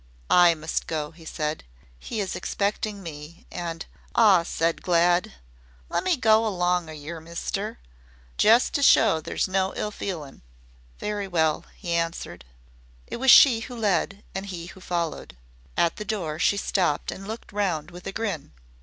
"I must go," he said. "He is expecting me and " "Aw," said Glad, "lemme go along o' yer, mister jest to show there's no ill feelin'." "Very well," he answered. It was she who led, and he who followed. At the door she stopped and looked round with a grin.